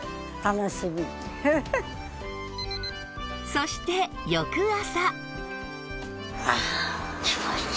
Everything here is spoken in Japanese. そして翌朝